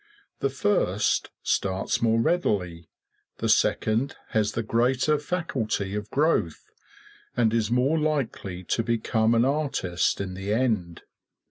The first starts more readily; the second has the greater faculty of growth, and is more likely to become an artist in the end.